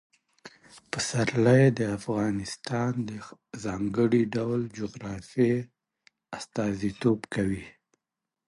پسرلی د افغانستان د ځانګړي ډول جغرافیه استازیتوب کوي.